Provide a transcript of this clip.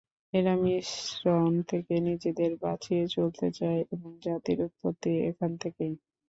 এরা মিশ্রণ থেকে নিজেদের বাঁচিয়ে চলতে চায় এবং জাতির উৎপত্তি এখান থেকেই।